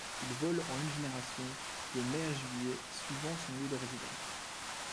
Il vole en une génération, de mai à juillet suivant son lieu de résidence.